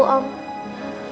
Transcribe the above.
gak kayak keluarga aku om